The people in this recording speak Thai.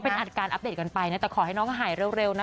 เป็นอัดการอัปเดตกันไปนะแต่ขอให้น้องก็หายเร็วนะ